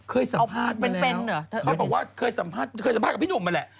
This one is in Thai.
เคยสัมภาษณ์มาแล้วเคยสัมภาษณ์กับพี่หนุ่มมันแหละ